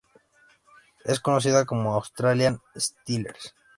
Es conocida como "Australian Steelers".